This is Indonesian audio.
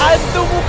ayo duduk dulu